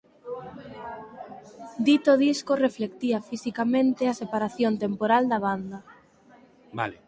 Dito disco reflectía fisicamente a separación temporal da banda.